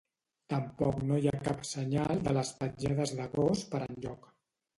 Tampoc no la hi ha cap senyal de les petjades de gos per enlloc.